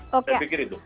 saya pikir itu